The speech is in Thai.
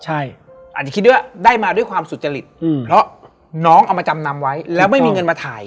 ใช่อาจจะคิดว่าได้มาด้วยความสุจริตเพราะน้องเอามาจำนำไว้แล้วไม่มีเงินมาถ่าย